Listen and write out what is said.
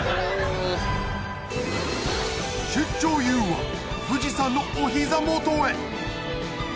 出張ＹＯＵは富士山のお膝元へ。